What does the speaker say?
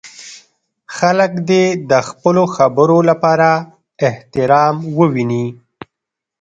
خلک دې د خپلو خبرو لپاره احترام وویني.